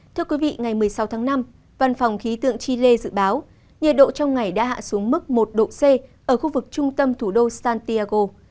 thưa quý vị ngày một mươi sáu tháng năm văn phòng khí tượng chile dự báo nhiệt độ trong ngày đã hạ xuống mức một độ c ở khu vực trung tâm thủ đô santiago